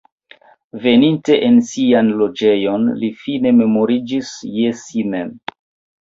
Veninte en sian loĝejon, li fine memoriĝis je si mem.